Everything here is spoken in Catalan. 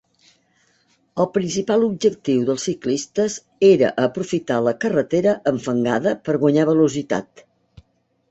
El principal objectiu dels ciclistes era aprofitar la carretera enfangada per guanyar velocitat.